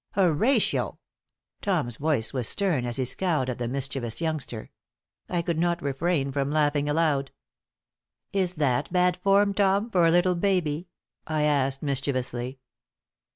"Horatio!" Tom's voice was stern as he scowled at the mischievous youngster. I could not refrain from laughing aloud. "Is that bad form, Tom, for a little baby?" I asked, mischievously.